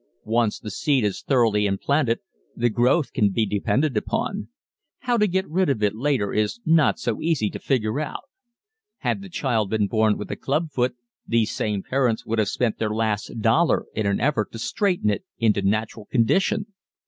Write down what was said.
Once the seed is thoroughly implanted the growth can be depended upon. How to get rid of it later is not so easy to figure out. Had the child been born with a "clubfoot" these same parents would have spent their last dollar in an effort to straighten it into natural condition.